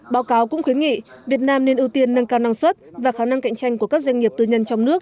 báo cáo cũng khuyến nghị việt nam nên ưu tiên nâng cao năng suất và khả năng cạnh tranh của các doanh nghiệp tư nhân trong nước